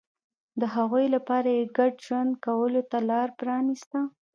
د هغوی لپاره یې ګډ ژوند کولو ته لار پرانېسته